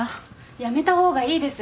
やめた方がいいです。